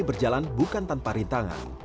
berjalan bukan tanpa rintangan